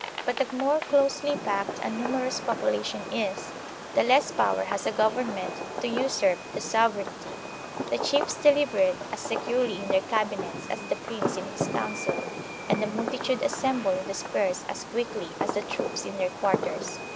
But the more closely packed a numerous population is, the less power has a government to usurp the sovereignty; the chiefs deliberate as securely in their cabinets as the prince in his council, and the multitude assemble in the squares as quickly as the troops in their quarters.